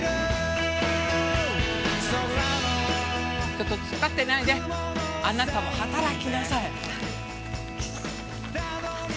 ちょっと突っ立ってないであなたも働きなさい。